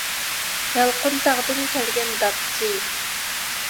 يالقۇنتاغدىن كەلگەن داپچى.